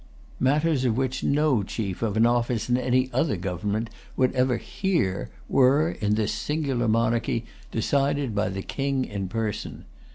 Matters of which no chief of an office in any other government would ever hear were, in this singular monarchy, decided by the King in person.